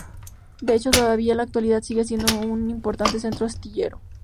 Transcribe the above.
De hecho, todavía en la actualidad sigue siendo un importante centro astillero.